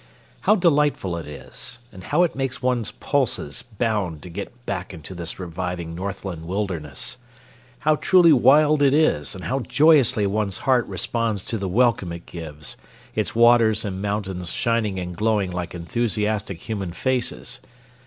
How delightful it is, and how it makes one's pulses bound to get back into this reviving northland wilderness! How truly wild it is, and how joyously one's heart responds to the welcome it gives, its waters and mountains shining and glowing like enthusiastic human faces!